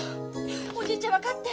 おじいちゃん分かって。